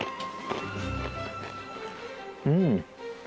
うん。